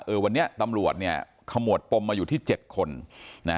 วันนี้ตำรวจเนี่ยขมวดปมมาอยู่ที่เจ็ดคนนะ